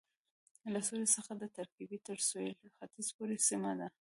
له سوریې څخه د ترکیې تر سوېل ختیځ پورې سیمه ده